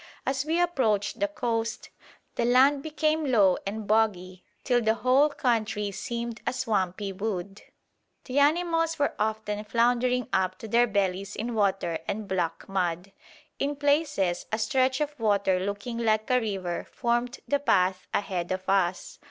As we approached the coast the land became low and boggy till the whole country seemed a swampy wood. The animals were often floundering up to their bellies in water and black mud. In places a stretch of water looking like a river formed the path ahead of us.